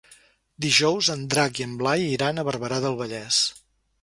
Dijous en Drac i en Blai iran a Barberà del Vallès.